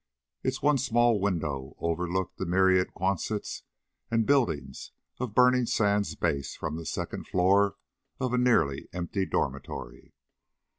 Its one small window overlooked the myriad quonsets and buildings of Burning Sands Base from the second floor of a nearly empty dormitory.